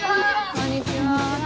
こんにちは。